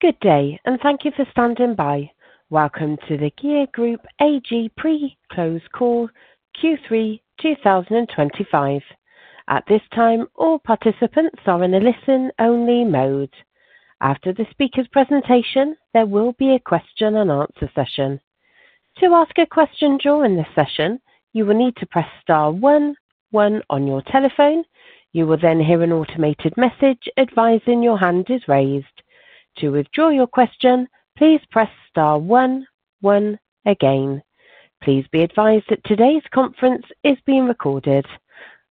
Good day, and thank you for standing by. Welcome to the GEA Group AG Pre-Closed Call Q3 2025. At this time, all participants are in a listen-only mode. After the speaker's presentation, there will be a question and answer session. To ask a question during this session, you will need to press star one, one on your telephone. You will then hear an automated message advising your hand is raised. To withdraw your question, please press star one, one again. Please be advised that today's conference is being recorded.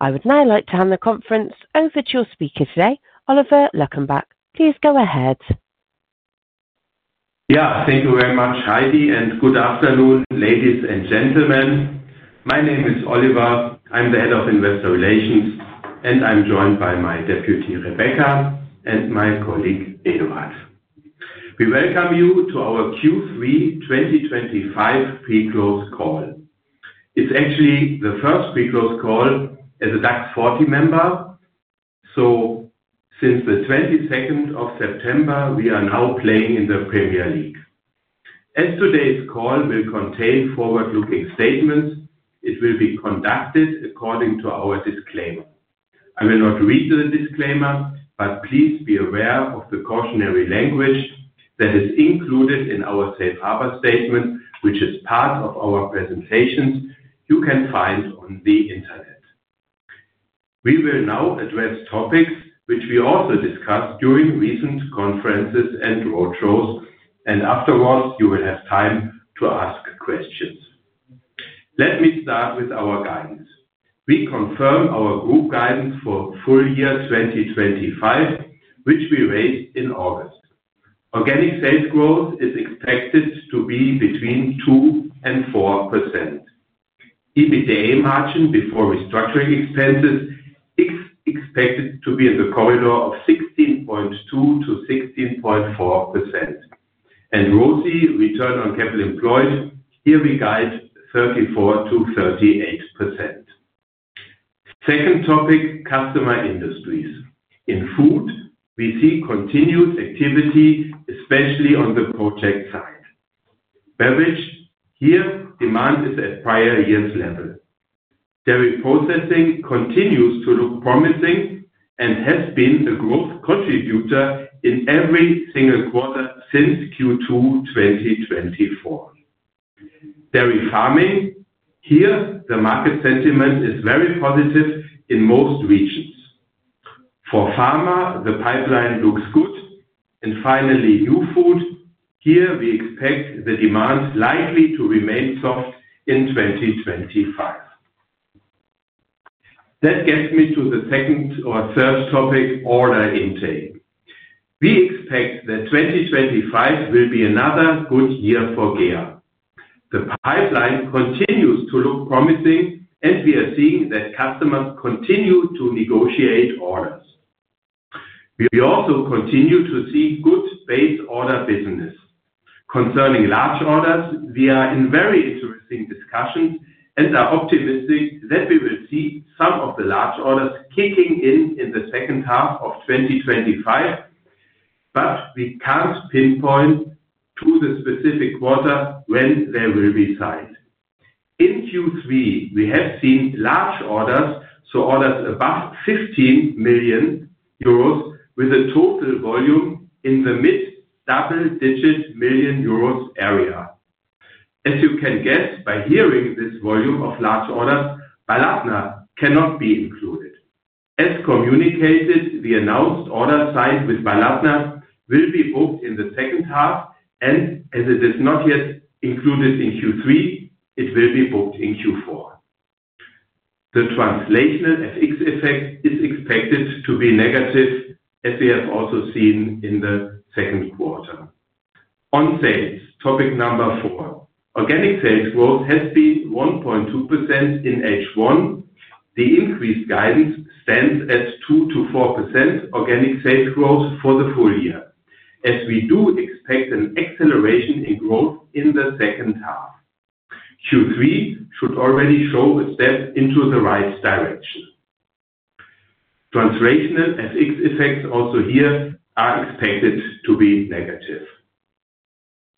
I would now like to hand the conference over to your speaker today, Oliver Luckenbach. Please go ahead. Yeah, thank you very much, Heidi, and good afternoon, ladies and gentlemen. My name is Oliver. I'm the Head of Investor Relations, and I'm joined by my Deputy, Rebecca, and my colleague, Eduard. We welcome you to our Q3 2025 Pre-Closed Call. It's actually the first Pre-Closed Call as a DAX 40 member. Since the 22nd of September, we are now playing in the Premier League. As today's call will contain forward-looking statements, it will be conducted according to our disclaimer. I will not read the disclaimer, but please be aware of the cautionary language that is included in our Safe Harbor statement, which is part of our presentations you can find on the internet. We will now address topics which we also discussed during recent conferences and roadshows, and afterward, you will have time to ask questions. Let me start with our guidance. We confirm our group guidance for full year 2025, which we raised in August. Organic sales growth is expected to be between 2% and 4%. EBITDA margin before restructuring expenses is expected to be in the corridor of 16.2% to 16.4%. ROCE, return on capital employed, here we guide 34%-38%. Second topic, customer industries. In food, we see continued activity, especially on the project side. Beverage, here, demand is at prior year's level. Dairy Processing continues to look promising and has been the growth contributor in every single quarter since Q2 2024. Dairy Farming, here, the market sentiment is very positive in most regions. For Pharma, the pipeline looks good. Finally, New Food, here, we expect the demand likely to remain soft in 2025. That gets me to the second or third topic, order intake. We expect that 2025 will be another good year for GEA. The pipeline continues to look promising, and we are seeing that customers continue to negotiate orders. We also continue to see good base order business. Concerning large orders, we are in very interesting discussions and are optimistic that we will see some of the large orders kicking in in the second half of 2025, but we can't pinpoint to the specific quarter when there will be size. In Q3, we have seen large orders, so orders above 15 million euros, with a total volume in the mid-double-digit million euros area. As you can guess by hearing this volume of large orders, Baladna cannot be included. As communicated, the announced order size with Baladna will be booked in the second half, and as it is not yet included in Q3, it will be booked in Q4. The translational FX effect is expected to be negative, as we have also seen in the second quarter. On sales, topic number four. Organic sales growth has been 1.2% in H1. The increased guidance stands at 2%-4% organic sales growth for the full year, as we do expect an acceleration in growth in the second half. Q3 should already show a step into the right direction. Translational FX effects also here are expected to be negative.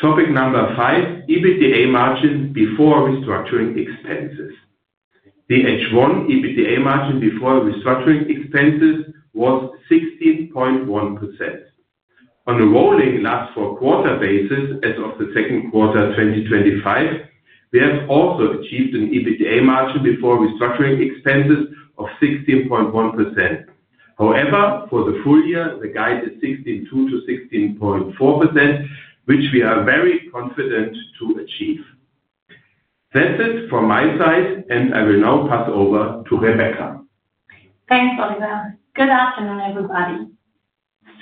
Topic number five, EBITDA margin before restructuring expenses. The H1 EBITDA margin before restructuring expenses was 16.1%. On a rolling last four-quarter basis as of the second quarter 2025, we have also achieved an EBITDA margin before restructuring expenses of 16.1%. However, for the full year, the guide is 16.2%-16.4%, which we are very confident to achieve. That's it from my side, and I will now pass over to Rebecca. Thanks, Oliver. Good afternoon, everybody.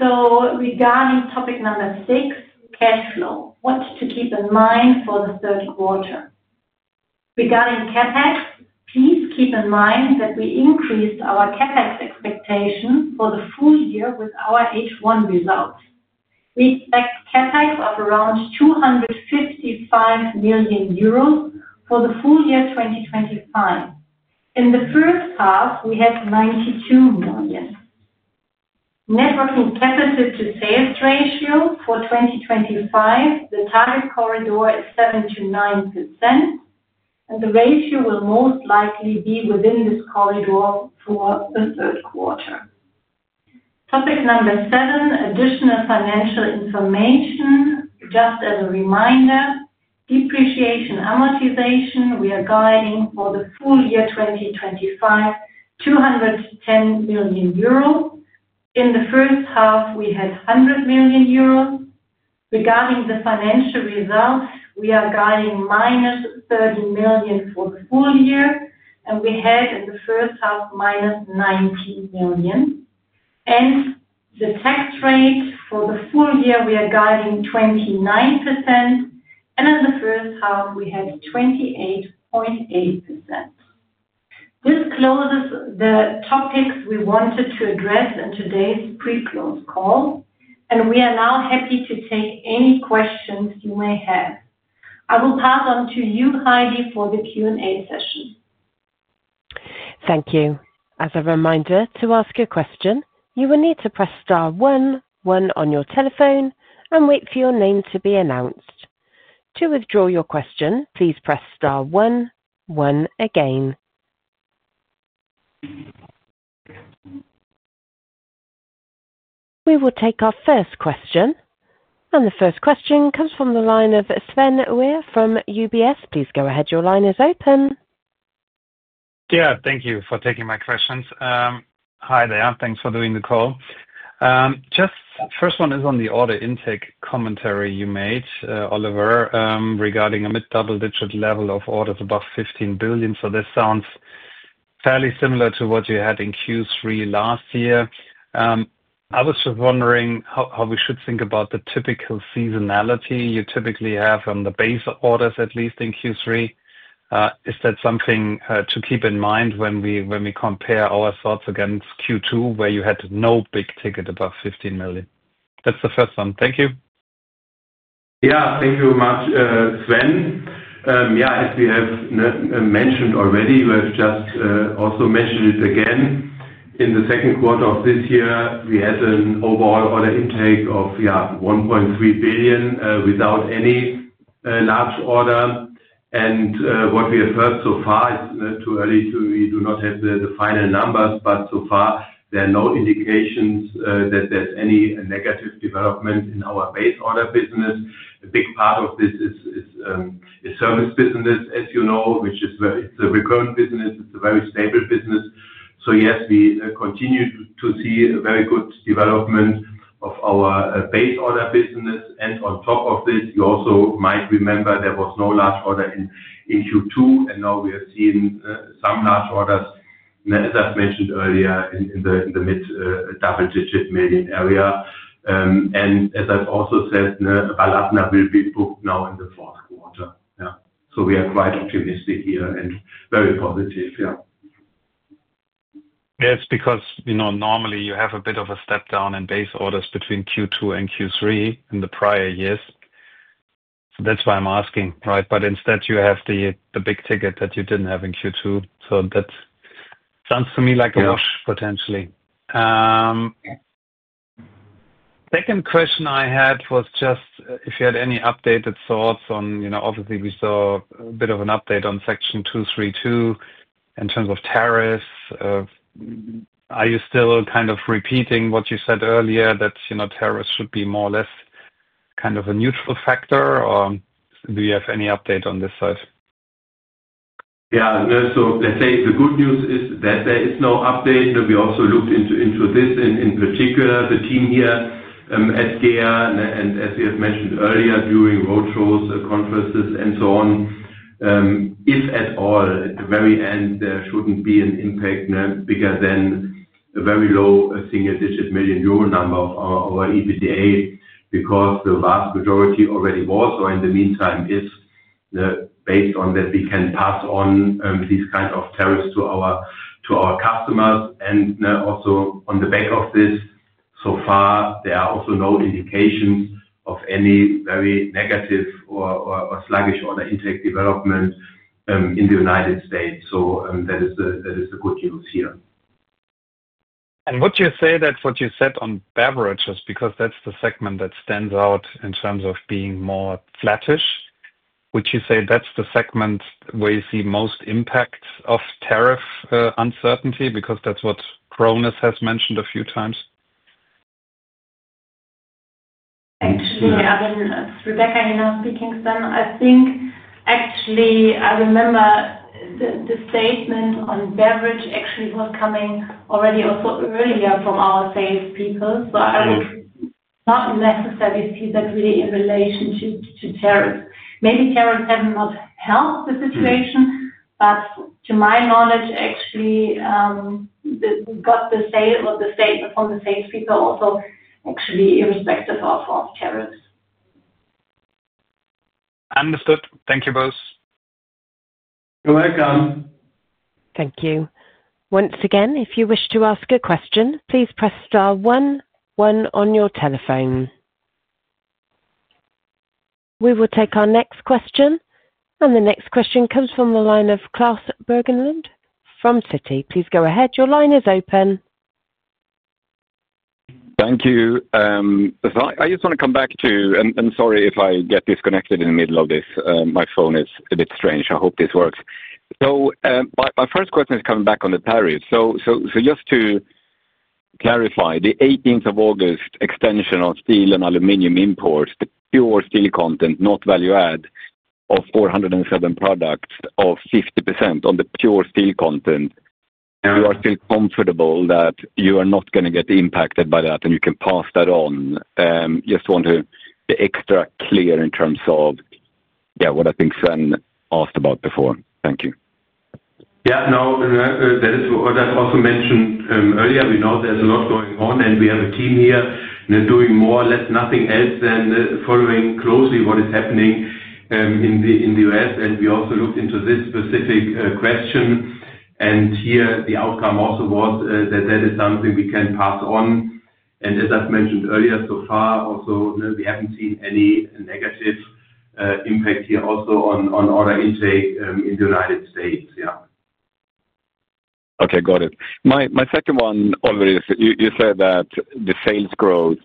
Regarding topic number six, cash flow, what to keep in mind for the third quarter. Regarding CapEx, please keep in mind that we increased our CapEx expectation for the full year with our H1 result. We expect CapEx of around 255 million euros for the full year 2025. In the first half, we had 92 million. Net working capital to sales ratio for 2025, the target corridor is 7%-9%, and the ratio will most likely be within this corridor for the third quarter. Topic number seven, additional financial information. Just as a reminder, depreciation and amortization, we are guiding for the full year 2025, 210 million euros. In the first half, we had 100 million euros. Regarding the financial results, we are guiding minus 30 million for the full year, and we had in the first half minus 9 million. The tax rate for the full year, we are guiding 29%, and in the first half, we had 28.8%. This closes the topics we wanted to address in today's pre-close call, and we are now happy to take any questions you may have. I will pass on to you, Heidi, for the Q&A. Thank you. As a reminder, to ask a question, you will need to press star one, one on your telephone and wait for your name to be announced. To withdraw your question, please press star one, one again. We will take our first question. The first question comes from the line of Sven Weier from UBS. Please go ahead. Your line is open. Yeah, thank you for taking my questions. Hi there. Thanks for doing the call. The first one is on the order intake commentary you made, Oliver, regarding a mid-double-digit level of orders above 15 million. This sounds fairly similar to what you had in Q3 last year. I was just wondering how we should think about the typical seasonality you typically have on the base orders, at least in Q3. Is that something to keep in mind when we compare our thoughts against Q2, where you had no big ticket above 15 million? That's the first one. Thank you. Thank you very much, Sven. As we have mentioned already, you have just also mentioned it again. In the second quarter of this year, we had an overall order intake of 1.3 billion without any large order. What we have heard so far is too early to, we do not have the final numbers, but so far, there are no indications that there's any negative development in our base order business. A big part of this is service business, as you know, which is a recurrent business. It's a very stable business. Yes, we continue to see a very good development of our base order business. On top of this, you also might remember there was no large order in Q2, and now we have seen some large orders, as I mentioned earlier, in the mid-double-digit million area. As I also said, Baladna will be booked now in the fourth quarter. We are quite optimistic here and very positive. Yes, because you know normally you have a bit of a step down in base orders between Q2 and Q3 in the prior years. That's why I'm asking, right? Instead, you have the big ticket that you didn't have in Q2. That sounds to me like a move, potentially. Second question I had was just if you had any updated thoughts on, you know, obviously we saw a bit of an update on Section 232 in terms of tariffs. Are you still kind of repeating what you said earlier that, you know, tariffs should be more or less kind of a neutral factor, or do you have any update on this side? Yeah, let's say the good news is that there is no update, and we also looked into this in particular, the team here at GEA, and as we have mentioned earlier, during roadshows, conferences, and so on. If at all, at the very end, there shouldn't be an impact bigger than a very low single-digit million euro number over EBITDA because the vast majority already was. In the meantime, if the bet on that we can pass on these kinds of tariffs to our customers, and also on the back of this, so far, there are also no indications of any very negative or sluggish order intake development in the U.S. That is the good news here. Would you say that what you said on Beverages, because that's the segment that stands out in terms of being more flattish, is that the segment where you see most impacts of tariff uncertainty because that's what [Cronus] has mentioned a few times? Excuse me, I mean, Rebecca, you know, the Kingston, I think actually, I remember the statement on Beverage actually was coming already earlier from our salespeople. I would not necessarily see that really in relationship to tariffs. Maybe tariffs have not helped the situation, but to my knowledge, what the sales on the salespeople also actually irrespective of tariffs. Understood. Thank you both. You're welcome. Thank you. Once again, if you wish to ask a question, please press star one, one on your telephone. We will take our next question, and the next question comes from the line of Klas Bergelind from Citi. Please go ahead. Your line is open. Thank you. I just want to come back to, and sorry if I get disconnected in the middle of this. My phone is a bit strange. I hope this works. My first question is coming back on the tariffs. Just to clarify, the 18th of August extension on steel and aluminum imports, the pure steel content, not value add, of 407 products of 50% on the pure steel content. You are still comfortable that you are not going to get impacted by that, and you can pass that on. I just want to be extra clear in terms of what I think Sven asked about before. Thank you. Yeah, no, that is what I also mentioned earlier. We know there's a lot going on, and we have a team here doing more or less nothing else than following closely what is happening in the U.S. We also looked into this specific question. The outcome also was that that is something we can pass on. As I've mentioned earlier, so far, we haven't seen any negative impact here also on order intake in the United States. Yeah. Okay, got it. My second one, Oliver, is you said that the sales growth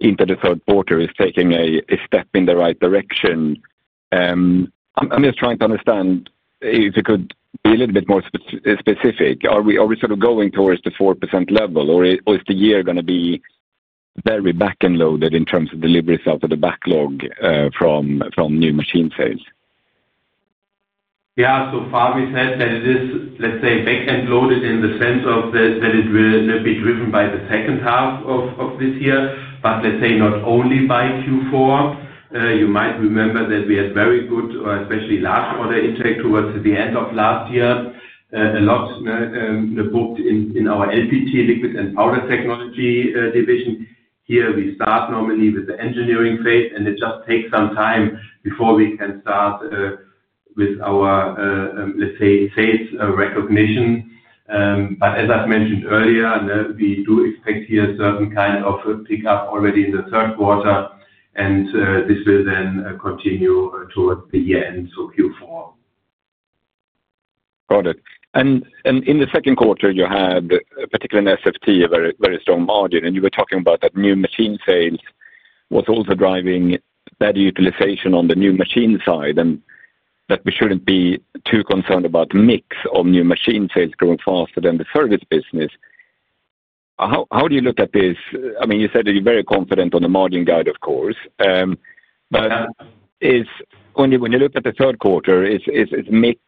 into the third quarter is taking a step in the right direction. I'm just trying to understand if you could be a little bit more specific. Are we sort of going towards the 4% level, or is the year going to be very back-end loaded in terms of deliveries out of the backlog from new machine sales? Yeah, so far we said that it is, let's say, back-end loaded in the sense that it will be driven by the second half of this year, but not only by Q4. You might remember that we had very good, or especially large order intake towards the end of last year. A lot booked in our LPT, Liquid and Powder Technology division. Here, we start normally with the engineering phase, and it just takes some time before we can start with our, let's say, sales recognition. As I've mentioned earlier, we do expect here a certain kind of pickup already in the third quarter, and this will then continue towards the year end, so Q4. Got it. In the second quarter, you had, particularly in SFT, a very strong margin, and you were talking about that new machine sales was also driving better utilization on the new machine side, and that we shouldn't be too concerned about the mix of new machine sales growing faster than the service business. How do you look at this? I mean, you said that you're very confident on the margin guide, of course. When you look at the third quarter, is mix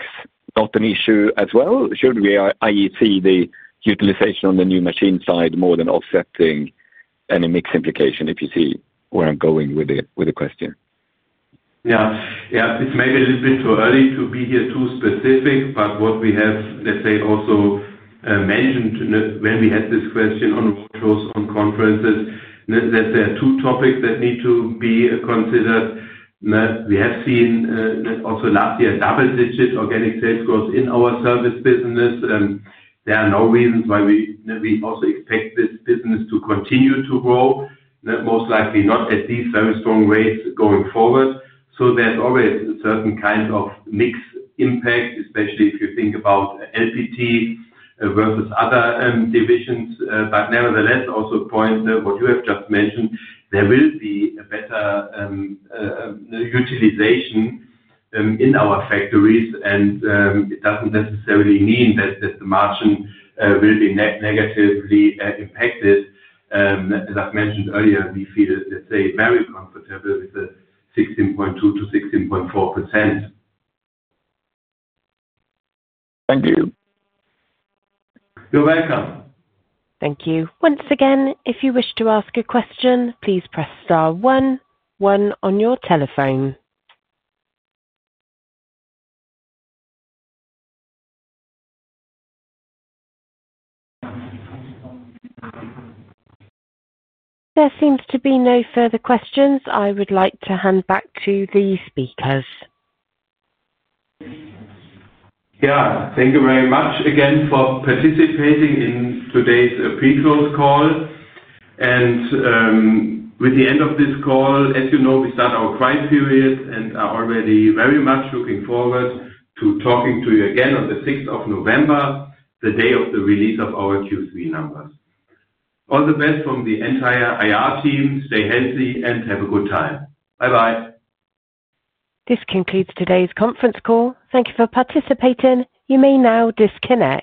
not an issue as well? Should we, i.e., see the utilization on the new machine side more than offsetting any mix implication if you see where I'm going with the question? Yeah, it's maybe a little bit too early to be here too specific, but what we have, let's say, also mentioned when we had this question on roadshows and conferences, is that there are two topics that need to be considered. We have seen also last year double-digit organic sales growth in our service business. There are no reasons why we also expect this business to continue to grow, most likely not at these very strong rates going forward. There's always a certain kind of mix impact, especially if you think about LPT versus other divisions. Nevertheless, also to the point you have just mentioned, there will be a better utilization in our factories, and it doesn't necessarily mean that the margin will be negatively impacted. As I've mentioned earlier, we feel, let's say, very comfortable with the 16.2%-16.4%. Thank you. You're welcome. Thank you. Once again, if you wish to ask a question, please press star one, one on your telephone. There seems to be no further questions. I would like to hand back to the speakers. Yeah, thank you very much again for participating in today's pre-close call. With the end of this call, as you know, we start our quiet period and are already very much looking forward to talking to you again on the 6th of November, the day of the release of our Q3 numbers. All the best from the entire IR team. Stay healthy and have a good time. Bye-bye. This concludes today's conference call. Thank you for participating. You may now disconnect.